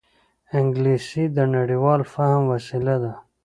انګلیسي د نړيوال فهم وسیله ده